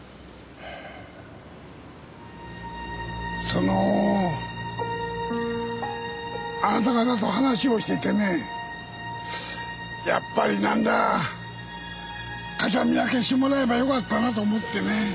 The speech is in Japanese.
そのあなた方と話をしててねやっぱりなんだ形見分けしてもらえばよかったなと思ってね。